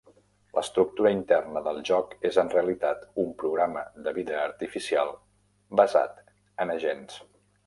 L'estructura interna del joc és en realitat un programa de vida artificial basat en agents.